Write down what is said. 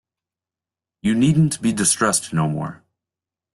You needn't be distressed no more.